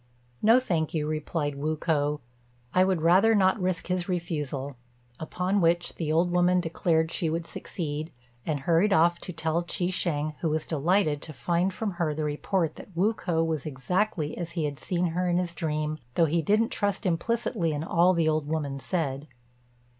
"No, thank you," replied Wu k'o; "I would rather not risk his refusal;" upon which the old woman declared she would succeed, and hurried off to tell Chi shêng, who was delighted to find from her report that Wu k'o was exactly as he had seen her in his dream, though he didn't trust implicitly in all the old woman said.